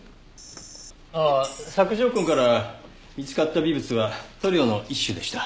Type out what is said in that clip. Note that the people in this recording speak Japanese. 索条痕から見つかった微物は塗料の一種でした。